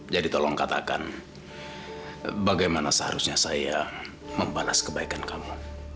jadi tolong katakan bagaimana seharusnya saya membalas kebaikan kamu